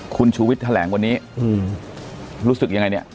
คุณชุวิตแถลงวันนี้อืมรู้สึกยังไงเนี้ย